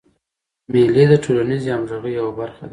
مېلې د ټولنیزي همږغۍ یوه برخه ده.